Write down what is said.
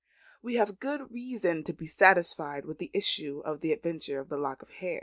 We have good reason to be satisfied with the issue of this adventure of the lock of hair.